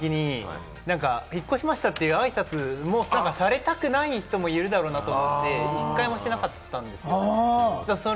引っ越した時に引っ越しましたっていう挨拶もされたくない人もいるだろうなと思って、１回もしてなかったんです。